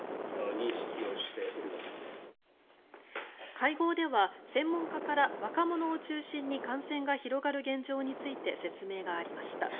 会合では専門家から若者を中心に感染が広がる現状について説明がありました。